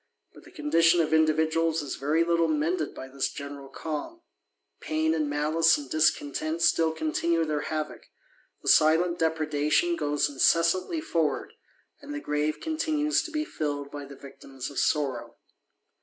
But the condition of individuals ^ very little mended by this general calm : pain and "^ce and discontent still continue their havock ; the *fcnt depredation goes incessantly forward : and the grave ^ntinues to be filled by the victims of sorrow.